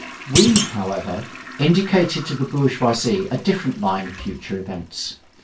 We, however, indicated to the bourgeoisie a different line of future events.